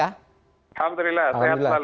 alhamdulillah sehat selalu